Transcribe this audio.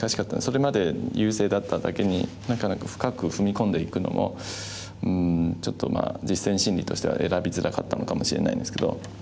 それまで優勢だっただけになかなか深く踏み込んでいくのもうんちょっと実戦心理としては選びづらかったのかもしれないんですけど。